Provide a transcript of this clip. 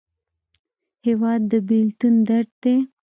هېواد د بېلتون درد دی.